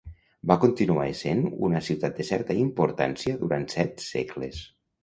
Va continuar essent una ciutat de certa importància durant set segles.